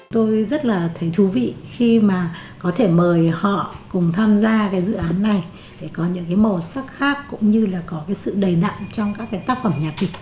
tôi rất là thấy thú vị khi mà có thể mời họ cùng tham gia cái dự án này để có những cái màu sắc khác cũng như là có cái sự đầy đặn trong các cái tác phẩm nhạc kịch